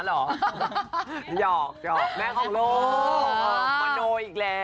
หรอหยอกหยอกแม่ของโลกมาโนอีกแล้ว